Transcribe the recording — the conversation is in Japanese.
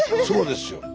そうですよ。